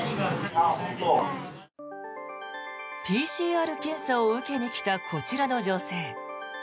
ＰＣＲ検査を受けに来たこちらの女性。